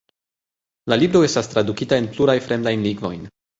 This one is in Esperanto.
La libro estas tradukita en plurajn fremdajn lingvojn.